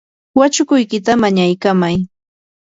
wachukuykita mañaykamay.